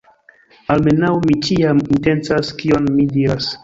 Almenaŭ, mi ĉiam intencas kion mi diras.